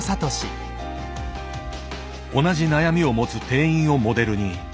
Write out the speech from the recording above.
同じ悩みを持つ店員をモデルに服を選ぶ。